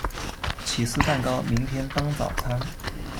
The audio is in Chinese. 起司蛋糕明天当早餐